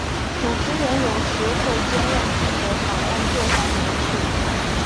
主持人有时会兼任记者访问各方人士。